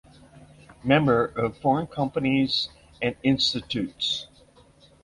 Member of foreign companies and institutes.